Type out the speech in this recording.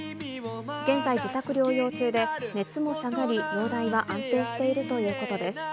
現在自宅療養中で、熱も下がり、容体は安定しているということです。